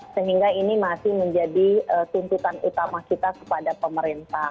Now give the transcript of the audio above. sehingga ini masih menjadi tuntutan utama kita kepada pemerintah